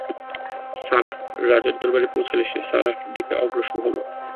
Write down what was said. Sarah রাজার দরবারে পৌঁছলে সে সারাহর দিকে অগ্রসর হল।